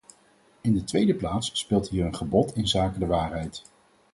In de tweede plaats speelt hier een gebod inzake de waarheid.